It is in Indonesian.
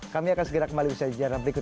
kami akan segera kembali bisa dijawab